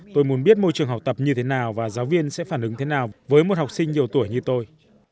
tôi muốn biết môi trường học tập như thế nào và giáo viên sẽ phản ứng thế nào với một học sinh nhiều tuổi như tôi